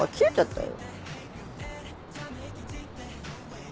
えっ⁉